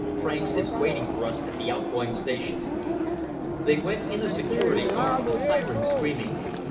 "Franks is waiting for us at the outgoing station." They went in a Security Car, the siren screaming.